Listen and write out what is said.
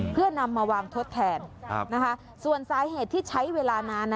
เพื่อนำมาวางทดแทนส่วนสาเหตุที่ใช้เวลานาน